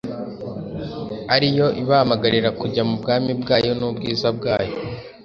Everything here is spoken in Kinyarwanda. ari yo ibahamagarira kujya mu bwami bwayo n’ubwiza bwayo.”